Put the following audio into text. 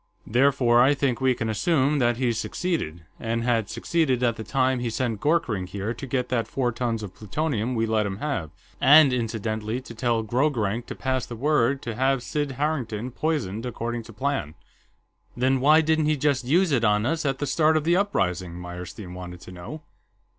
Therefore, I think we can assume that he succeeded, and had succeeded at the time he sent Gorkrink here to get that four tons of plutonium we let him have, and, incidentally, to tell Ghroghrank to pass the word to have Sid Harrington poisoned according to plan." "Then why didn't he just use it on us at the start of the uprising?" Meyerstein wanted to know.